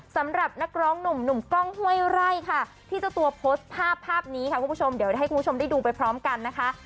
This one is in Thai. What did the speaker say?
สำหรับนักร้องหนุ่มกล้องห้วยไร่ค่ะที่เจ้าตัวโพสต์ภาพภาพนี้ค่ะคุณผู้ชมเดี๋ยวให้คุณผู้ชมได้ดูไปพร้อมกันนะคะ